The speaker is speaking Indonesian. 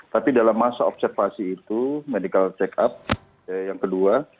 tapi dalam masa observasi itu medical check up yang kedua